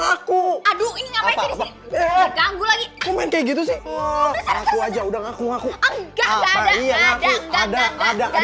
aku aduh ini ngapain sih ganggu lagi ke gitu sih aku aja udah ngaku ngaku enggak ada ada ada ada